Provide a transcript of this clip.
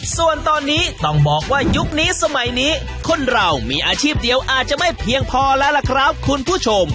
ส่วนตอนนี้ต้องบอกว่ายุคนี้สมัยนี้คนเรามีอาชีพเดียวอาจจะไม่เพียงพอแล้วล่ะครับคุณผู้ชม